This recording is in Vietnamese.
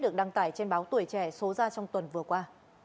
được đăng tải trên báo tuổi trẻ số ra trong tuần vừa qua